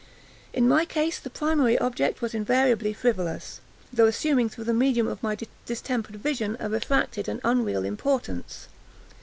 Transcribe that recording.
In my case, the primary object was invariably frivolous, although assuming, through the medium of my distempered vision, a refracted and unreal importance.